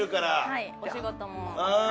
はいお仕事もはい。